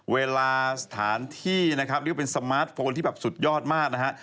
เวลาสถานที่นะครับเรียกว่าเป็นสมาร์ทโฟนที่แบบสุดยอดมากนะฮะ